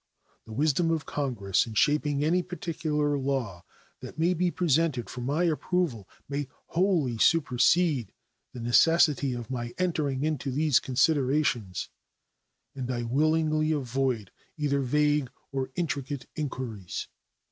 The wisdom of Congress in shaping any particular law that may be presented for my approval may wholly supersede the necessity of my entering into these considerations, and I willingly avoid either vague or intricate inquiries.